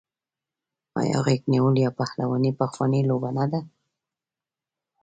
آیا غیږ نیول یا پهلواني پخوانۍ لوبه نه ده؟